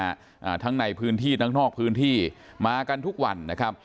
อ่าทั้งในพื้นที่ทั้งนอกพื้นที่มากันทุกวันนะครับ